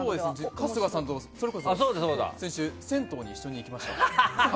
春日さんと、それこそ先週銭湯に一緒に行きました。